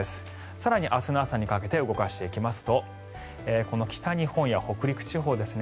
更に明日の朝にかけて動かしていきますとこの北日本や北陸地方ですね。